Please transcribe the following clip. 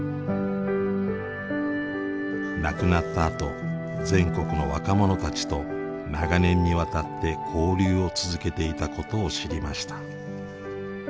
亡くなったあと全国の若者たちと長年にわたって交流を続けていたことを知りました。